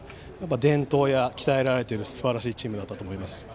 伝統や鍛えられているすばらしいチームだったと思います。